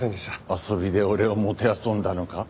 遊びで俺をもてあそんだのか？